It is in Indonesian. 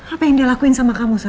apa yang dia lakuin sama kamu